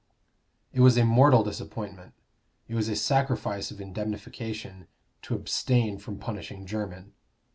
It was a mortal disappointment it was a sacrifice of indemnification to abstain from punishing Jermyn.